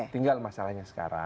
tinggal masalahnya sekarang